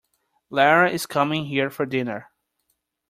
Lara is coming here for dinner.